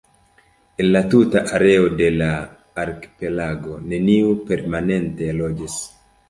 En la tuta areo de la arkipelago neniu permanente loĝas.